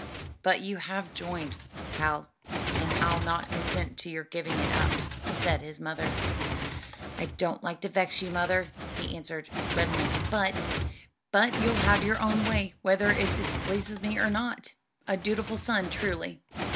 "But you have joined, Cal, and I'll not consent to your giving it up," said his mother. "I don't like to vex you, mother," he answered, reddening, "but " "But you'll have your own way, whether it displeases me or not? A dutiful son, truly."